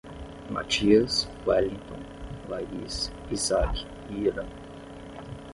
Matias, Wellington, Laís, Isac e Iran